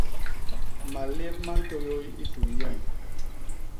Malép ma ntôyôy i tun yem.